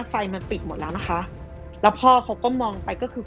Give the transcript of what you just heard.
ไฟมันปิดหมดแล้วนะคะแล้วพ่อเขาก็มองไปก็คือ